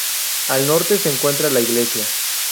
Al norte se encuentra la iglesia.